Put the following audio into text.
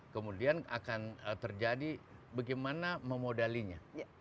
kemudian akan terjadi bagaimana memodalinya